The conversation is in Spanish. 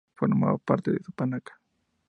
Formaba parte de su Panaca.